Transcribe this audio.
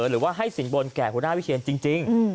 หรือว่าให้สินบนแก่หัวหน้าวิเชียนจริง